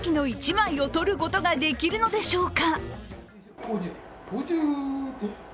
果たして奇跡の１枚を撮ることができるのでしょうか？